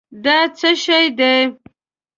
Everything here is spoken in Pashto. دا څه شی دی؟